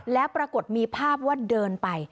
แล้วปรากฏมีภาพว่าเดินไป